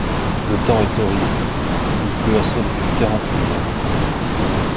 Le temps est horrible, il pleut à seaux depuis quarante-huit heures.